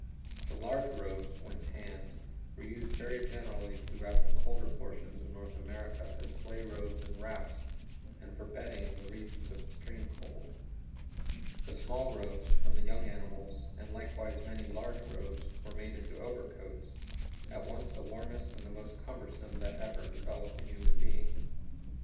The large robes, when tanned, were used very generally throughout the colder portions of North America as sleigh robes and wraps, and for bedding in the regions of extreme cold. The small robes, from the young animals, and likewise many large robes, were made into overcoats, at once the warmest and the most cumbersome that ever enveloped a human being.